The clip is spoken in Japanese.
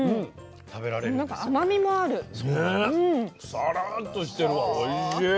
サラッとしてるわおいしい。